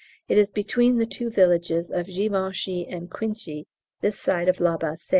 It is between the two villages of Givenchy and Cuinchy, this side of La Bassée.